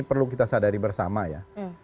perlu kita sadari bersama ya